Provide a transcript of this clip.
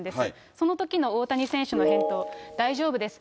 そのときの大谷選手の返答、大丈夫です。